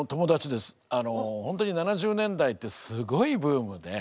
あの本当に７０年代ってすごいブームで。